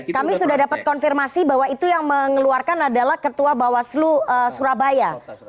kami sudah dapat konfirmasi bahwa itu yang mengeluarkan adalah ketua bawaslu surabaya